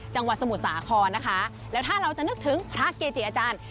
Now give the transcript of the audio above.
จังหวัดสมุทรสาครนะคะแล้วถ้าเราจะนึกถึงพระเกจิอาจารย์